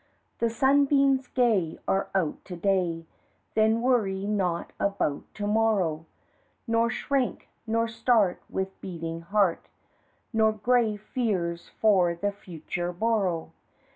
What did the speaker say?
The sunbeams gay are out to day, Then worry not about to morrow, Nor shrink, nor start with beating heart, Nor grave fears for the future borrow.